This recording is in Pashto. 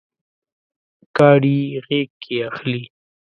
کاڼي یې غیږکې اخلي